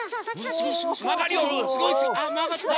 あ曲がった！